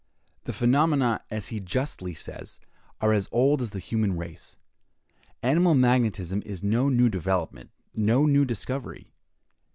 The phenomena, as he justly says, are as old as the human race. Animal magnetism is no new development, no new discovery.